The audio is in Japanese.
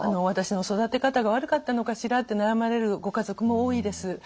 私の育て方が悪かったのかしらって悩まれるご家族も多いです。